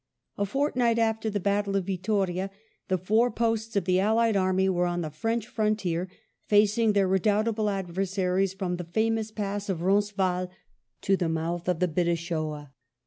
A fortnight after the battle of Vittoria the foreposts of the Allied anny were on the French frontier, facing their redoubtable adversaries from the famous pass of Eoncesvalles to the mouth of the Bidassoa.